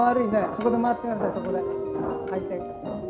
そこで回ってください、そこで。